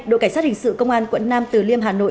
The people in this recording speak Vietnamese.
đội cảnh sát hình sự công an quận nam từ liêm hà nội